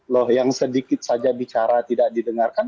loh yang sedikit saja bicara tidak didengarkan